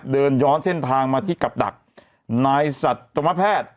เดินย้อนเส้นทางมาที่กับดักนายสัตวแพทย์